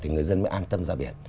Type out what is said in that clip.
thì an tâm ra biển